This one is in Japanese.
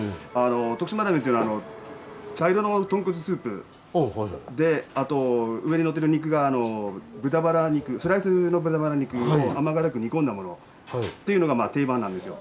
徳島ラーメンというのは茶色の豚骨スープであと上にのってる肉が豚バラ肉スライスの豚バラ肉を甘辛く煮込んだものっていうのが定番なんですよ。